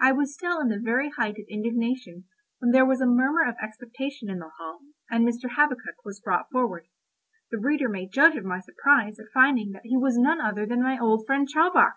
I was still in the very height of indignation, when there was a murmur of expectation in the hall, and Mr. Habakkuk was brought forward. The reader may judge of my surprise at finding that he was none other than my old friend Chowbok!